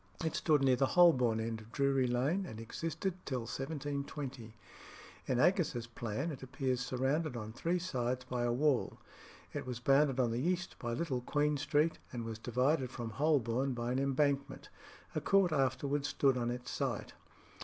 It stood near the Holborn end of Drury Lane, and existed till 1720. In Aggas's Plan it appears surrounded on three sides by a wall. It was bounded on the east by Little Queen Street, and was divided from Holborn by an embankment. A court afterwards stood on its site.